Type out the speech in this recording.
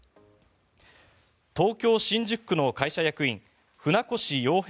東京・新宿区の会社役員船越洋平